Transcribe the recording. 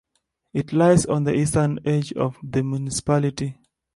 It lies on the eastern edge of the municipality.